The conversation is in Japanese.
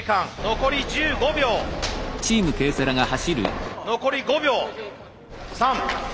残り５秒３２１。